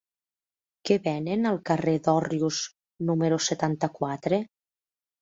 Què venen al carrer d'Òrrius número setanta-quatre?